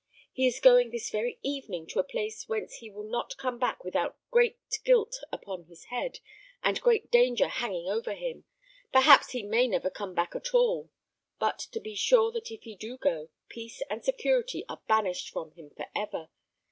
He is going this very evening to a place whence he will not come back without great guilt upon his head, and great danger hanging over him; perhaps he may never come back at all; but be sure that if he do go, peace and security are banished from him for ever.